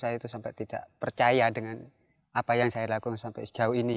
saya itu sampai tidak percaya dengan apa yang saya lakukan sampai sejauh ini